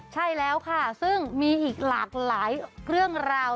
ใช่แล้วค่ะซึ่งมีอีกหลากหลายเรื่องราว